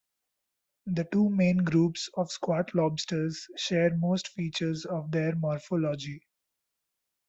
The two main groups of squat lobsters share most features of their morphology.